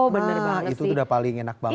menerima itu udah paling enak banget